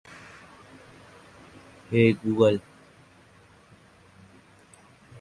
The proposed project had opposition from environmental organizations.